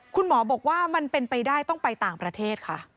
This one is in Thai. คุณหมอบอกว่ามันเป็นไปได้ต้องไปต่างประเทศค่ะ